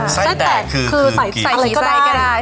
ไส้แตกคือใส่สิ้งกันได้